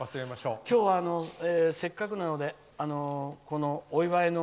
今日はせっかくなのでお祝いの。